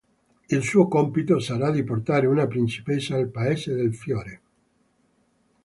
Il suo compito sarà di portare una principessa al paese del fiore.